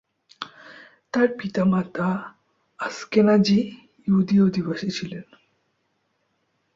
তার পিতামাতা আশকেনাজি ইহুদি অভিবাসী ছিলেন।